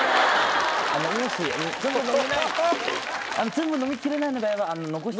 全部飲みきれない場合は残して。